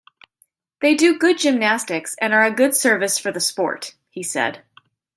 "They do good gymnastics and are a good service for the sport," he said.